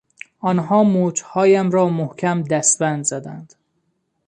آنها مچهایم را محکم دستبند زدند.